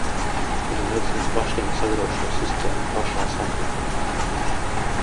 Ir laiks jums pašiem sagraut šo sistēmu pašā saknē!